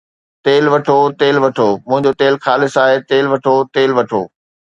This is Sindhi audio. تيل وٺو، تيل وٺو، منهنجو تيل خالص آهي، تيل وٺو، تيل وٺو